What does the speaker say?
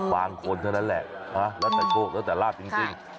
บางคนเท่านั้นแหละแล้วแต่โชคแล้วแต่ลาบจริง